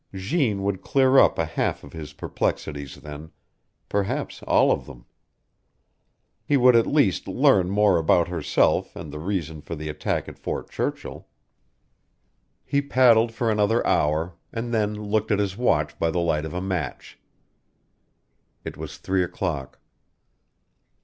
Jeanne would clear up a half of his perplexities then, perhaps all of them. He would at least learn more about herself and the reason for the attack at Fort Churchill. He paddled for another hour, and then looked at his watch by the light of a match. It was three o'clock.